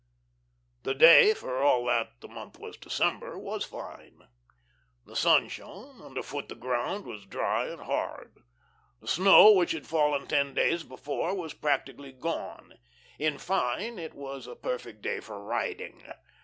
The day, for all that the month was December, was fine. The sun shone; under foot the ground was dry and hard. The snow which had fallen ten days before was practically gone. In fine, it was a perfect day for riding.